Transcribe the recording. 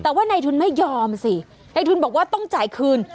แต่ว่าในทุนไม่ยอมสิในทุนบอกว่าต้องจ่ายคืน